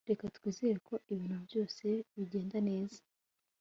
Reka twizere ko ibintu byose bigenda neza